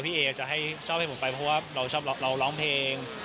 พี่เอจะให้ชอบให้ผมไปเพราะว่าเราชอบเราร้องเพลง